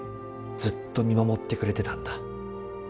ずっと見守ってくれてたんだ。